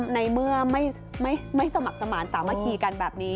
ในเมื่อไม่สมัครสมาธิสามัคคีกันแบบนี้